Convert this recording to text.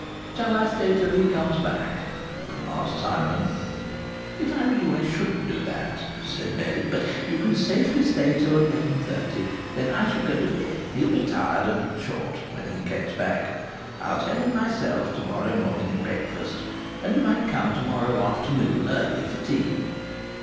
"Shall I stay till he comes back?" asked Simon. "If I were you I shouldn't do that," said Mary. "But you can safely stay till eleven thirty. Then I shall go to bed. He'll be tired and short [curt] when he gets back. I'll tell him myself to morrow morning at breakfast. And you might come to morrow afternoon early, for tea."